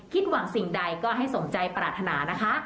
หวังสิ่งใดก็ให้สมใจปรารถนานะคะ